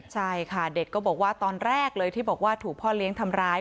ใช่ค่ะเด็กก็บอกว่าตอนแรกเลยที่บอกว่าถูกพ่อเลี้ยงทำร้าย